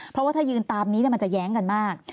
เพราะว่าถ้ายืนตามนี้มันจะแย้งกันมาก